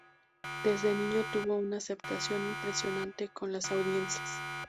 Desde niño tuvo una aceptación impresionante con las audiencias.